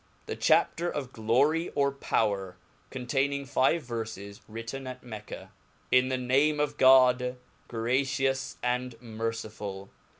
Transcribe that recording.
The Chapter of Glory »r Power ^ Cffntainingfive Ferfes^ written at Mecca. 1 N the name of God, gracious and mercifull.